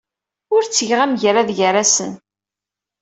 Ur ttgeɣ amgerrad gar-asen.